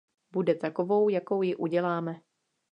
Bude takovou, jakou ji uděláme.